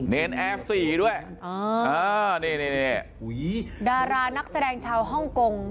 เน้นแอร์สี่ด้วยอ่านี่นี่นี่นี่ดารานักแสดงชาวฮ่องกง